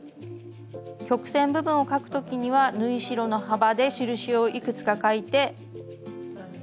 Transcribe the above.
曲線部分を描く時には縫い代の幅で印をいくつか描いて。